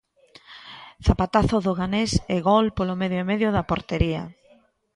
Zapatazo do ganés e gol polo medio e medio da portería.